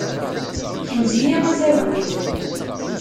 Kmez-iyi azagur-iw.